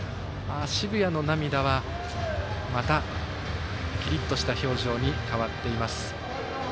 澁谷の涙はまたキリッとした表情に変わっています。